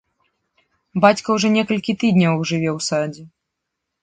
Бацька ўжо некалькі тыдняў жыве ў садзе.